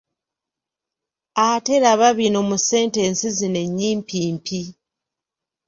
Ate laba bino mu sentensi zino ennyimpimpi.